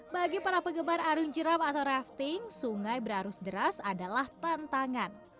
bagi para penggemar arung jeram atau rafting sungai berarus deras adalah tantangan